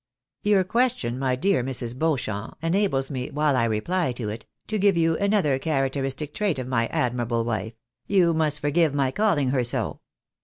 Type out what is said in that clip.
" Your question, my dear Mrs. Beauchamp, enables me, while I reply to it, to give you another characteristic trait of my admi rable wife — you must forgive my calling her so.